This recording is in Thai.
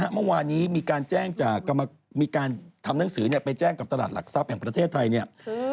เมื่อวานนี้มีการทำหนังสือไปแจ้งกับตลาดหลักทรัพย์แห่งประเทศไทย